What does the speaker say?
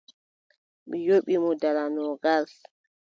Mi yoɓi mo dala noogas.